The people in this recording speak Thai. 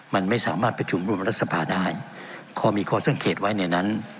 มันไม่สามารถประชุมร่วมรัฐสภาได้พอมีข้อสังเกตไว้ในนั้น